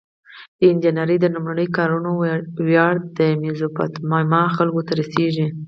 د انجنیری د لومړنیو کارونو ویاړ د میزوپتامیا خلکو ته رسیږي.